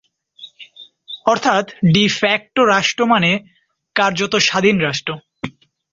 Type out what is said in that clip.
অর্থাৎ ডি ফ্যাক্টো রাষ্ট্র মানে কার্যত স্বাধীন রাষ্ট্র।